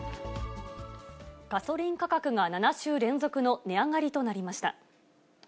ガソリン価格が７週連続の値上がりとなりました。